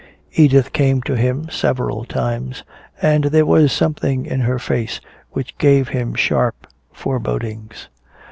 Edith came to him several times, and there was something in her face which gave him sharp forebodings.